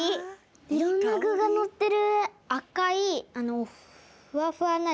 いろんなぐがのってる！